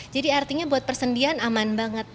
jadi artinya buat persendian aman banget